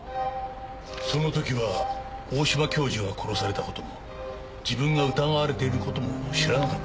その時は大島教授が殺された事も自分が疑われている事も知らなかった？